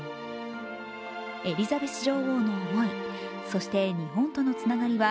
エリザベス女王の思い、そして日本とのつながりは